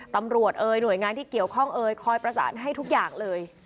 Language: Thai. เอ่ยหน่วยงานที่เกี่ยวข้องเอ่ยคอยประสานให้ทุกอย่างเลย